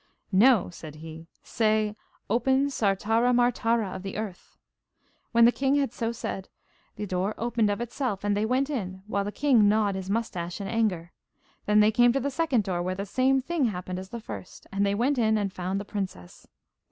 'No,' said he; 'say "Open, Sartara Martara of the earth."' When the king had so said, the door opened of itself, and they went in, while the king gnawed his moustache in anger. Then they came to the second door, where the same thing happened as at the first, and they went in and found the princess.